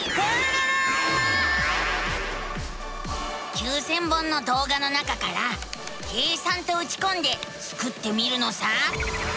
９，０００本のどうがの中から「計算」とうちこんでスクってみるのさ。